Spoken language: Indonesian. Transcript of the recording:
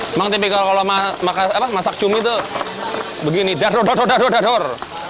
cuman tipikal kalau masak cumi tuh begini dadur dadur dadur dadur